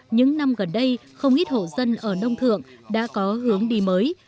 những năm gần đây không ít hộ dân ở nông thượng đã có hướng đi mới